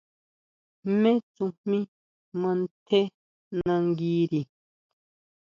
¿Jmé tsujmí mantjé nanguiri?